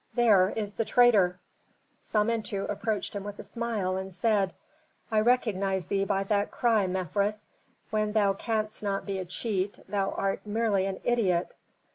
"There is the traitor!" Samentu approached him with a smile, and said, "I recognize thee by that cry, Mefres. When thou canst not be a cheat, thou art merely an idiot."